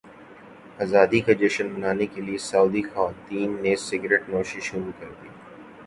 ازادی کا جشن منانے کے لیے سعودی خواتین نے سگریٹ نوشی شروع کردی